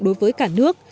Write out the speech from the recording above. đối với cả nước